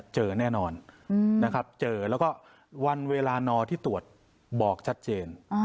เจอแน่นอนนะครับเจอแล้วก็วันเวลานอที่ตรวจบอกชัดเจน